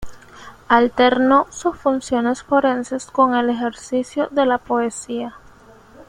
Alternó sus funciones forenses con el ejercicio de la poesía.